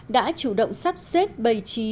đã chủ động sắp xếp bày trí